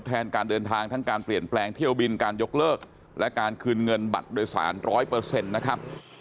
แทนการเดินทางทั้งการเปลี่ยนแปลงเที่ยวบินการยกเลิกและการคืนเงินบัตรโดยสาร๑๐๐นะครับ